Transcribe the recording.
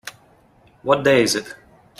What day is it?